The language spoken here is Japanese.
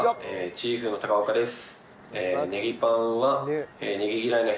チーフの岡です。